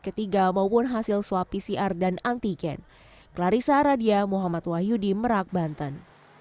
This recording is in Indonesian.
ketiga maupun hasil swab pcr dan antiken clarissa radia muhammad wahyu di merak banten